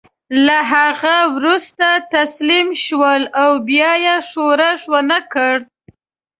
له هغه وروسته تسلیم شول او بیا یې ښورښ ونه کړ.